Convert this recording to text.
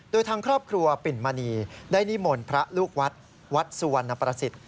โดยทางครอบครัวปิ่นมณีได้นิมนต์พระลูกวัดวัดสุวรรณประสิทธิ์